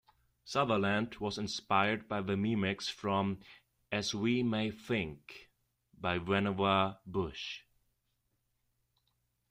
Sutherland was inspired by the Memex from "As We May Think" by Vannevar Bush.